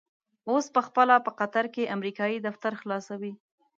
اوس په خپله په قطر کې امريکايي دفتر خلاصوي.